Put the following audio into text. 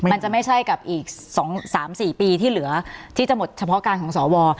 มันจะไม่ใช่กับอีก๒๓๔ปีที่เหลือที่จะหมดเฉพาะการของสว